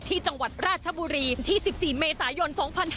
ที่จังหวัดราชบุรีที่๑๔เมษายน๒๕๕๙